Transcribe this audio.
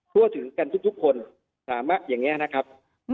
ทั่วถึงกันทุกคนสามารถอย่างนี้นะครับ